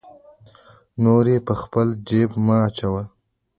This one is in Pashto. نورې په خپل جیب مه اچوه.